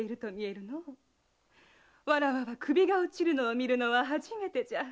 わらわは首が落ちるのを見るのは初めてじゃ。